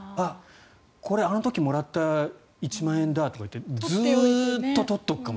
これ、あの時もらった一万円だとかってずっと取っておくかも。